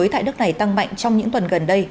tại nước này tăng mạnh trong những tuần gần đây